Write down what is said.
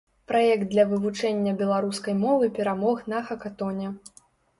Праект для вывучэння беларускай мовы перамог на хакатоне.